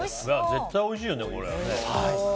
絶対おいしいよね、それ。